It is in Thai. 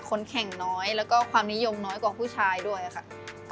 คนแข่งน้อยแล้วก็ความนิยมน้อยกว่าผู้ชายด้วยค่ะ